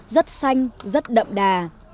rất xanh rất đậm đà